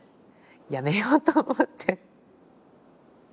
やめようと思って。